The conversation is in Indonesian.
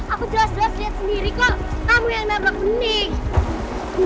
aku jelas jelas liat sendiri kok kamu yang nabrak bening